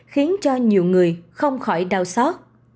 khiến cho nhiều người không khỏi đau xót